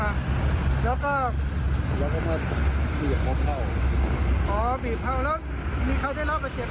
ไม่มี